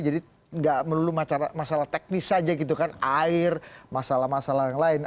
jadi tidak perlu masalah teknis saja gitu kan air masalah masalah lain